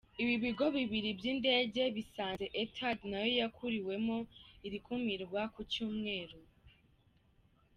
Ibi bigo bibiri by’indege bisanze Etihad nayo yakuriweho iri kumirwa ku Cyumweru.